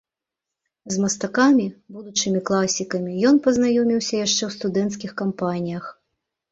З мастакамі, будучымі класікамі, ён пазнаёміўся яшчэ ў студэнцкіх кампаніях.